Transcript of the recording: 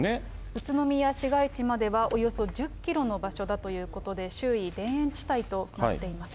宇都宮市街地まではおよそ１０キロの場所だということで、周囲、田園地帯となっています。